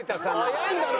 早いんだな。